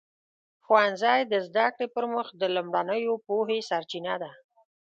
ښوونځی د زده کړې پر مخ د لومړنیو پوهې سرچینه ده.